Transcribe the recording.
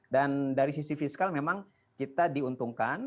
dan dari sisi fiskal memang kita diuntungkan